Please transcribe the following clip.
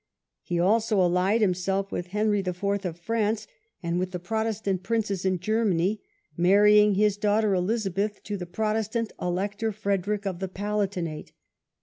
He also allied himself with Henry IV. of France, and with the Protestant princes in Germany, marrying his daughter Elizabeth to the Protestant Elector Frederick of the Palatinate.